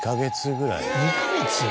２か月？